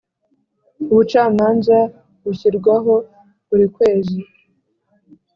Ubucamanza bushyirwaho burikwezi.